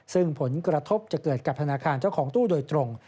ซึ่งผลกระทบจะเกิดกับธนาคารเจ้าของตู้โดยตรง